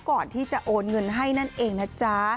ก่อนที่จะโอนเงินให้นั่นเองนะจ๊ะ